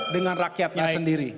dengan rakyatnya sendiri